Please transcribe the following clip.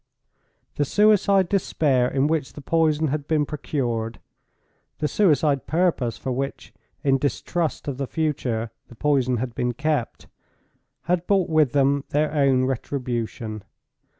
The suicide despair in which the poison had been procured; the suicide purpose for which, in distrust of the future, the poison had been kept, had brought with them their own retribution.